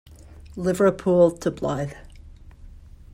Liverpool to Blyth.